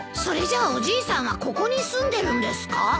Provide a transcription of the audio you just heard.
それじゃあおじいさんはここに住んでるんですか？